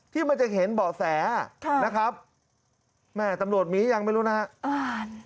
ที่มันจะเห็นเบาะแสนะครับแม่ตำรวจหมียังไม่รู้นะครับ